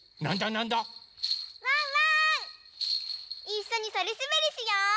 いっしょにそりすべりしよう！